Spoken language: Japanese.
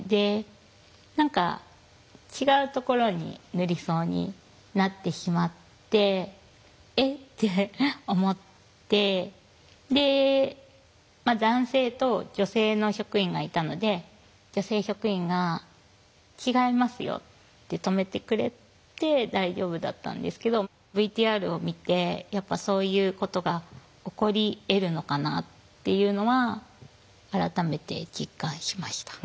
何か違うところに塗りそうになってしまって「え？」って思ってまあ男性と女性の職員がいたので女性職員が「違いますよ」って止めてくれて大丈夫だったんですけどＶＴＲを見てやっぱそういうことが起こりえるのかなっていうのは改めて実感しました。